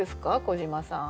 小島さん。